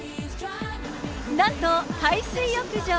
なんと海水浴場。